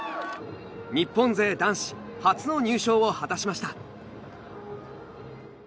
日本勢男子初の入賞を果たしました。